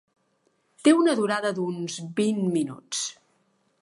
Té una durada d'uns vint minuts.